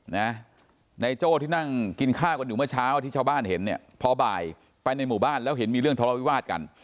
นายโจ้ที่นั่งกินข้าวกันอยู่เมื่อเช้าที่ชาวบ้านเห็นเนี่ยพอบ่ายไปในหมู่บ้านแล้วเห็นมีเรื่องทะเลาวิวาสกัน